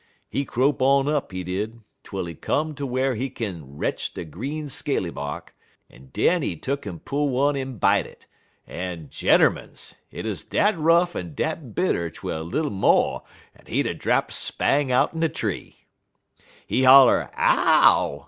He crope on up, he did, twel he come ter whar he kin retch de green scaly bark, en den he tuck'n pull one en bite it, en, gentermens! hit uz dat rough en dat bitter twel little mo' en he'd 'a' drapt spang out'n de tree. "He holler '_Ow!